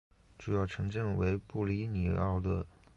主要城镇为布里尼奥勒。